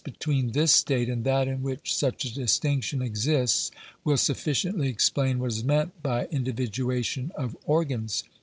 439 between this state and that in which such a distinction exists, will sufficiently explain what is meant by individuation of organs.